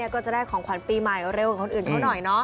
ก็จะได้ของขวัญปีใหม่เต็มไปเร็วกว่าคนอื่นน้อย